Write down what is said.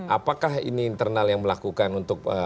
apakah ini internal yang melakukan untuk